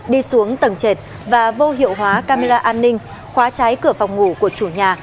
đi xuống tầng trệt và vô hiệu hóa camera an ninh khóa trái cửa phòng ngủ của chủ nhà